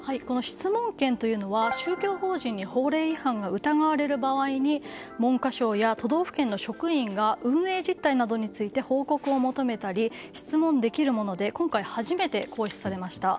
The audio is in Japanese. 質問権というのは宗教法人に法令違反が疑われる場合に文科省や都道府県の職員が運営実態などについて報告を求めたり質問をするもので今回初めて行使されました。